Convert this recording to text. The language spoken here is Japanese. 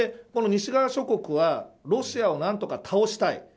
西側諸国はロシアを何とか倒したい。